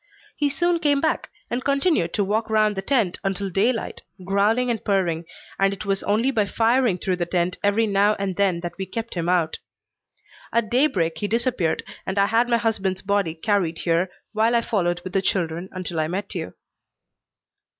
He soon came back and continued to walk round the tent until daylight, growling and purring, and it was only by firing through the tent every now and then that we kept him out. At daybreak he disappeared and I had my husband's body carried here, while I followed with the children until I met you."